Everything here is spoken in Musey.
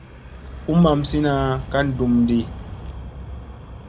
U mamsina ka ndum ɗi.